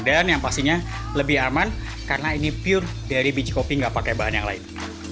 dan yang pastinya lebih aman karena ini pure dari biji kopi nggak pakai bahan yang lain